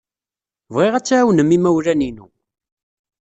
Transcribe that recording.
Bɣiɣ ad tɛawnem imawlan-inu.